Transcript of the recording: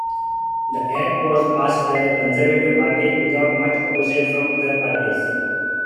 The act was passed by the Conservative Party without much opposition from other parties.